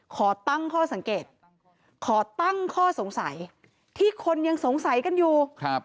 ขอตั้งข้อสังเกตขอตั้งข้อสงสัยที่คนยังสงสัยกันอยู่